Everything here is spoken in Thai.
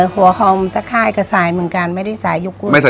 หัวฮอมตะไข้กระสายเหมือนกันไม่ได้ใส่ยกเวิ่น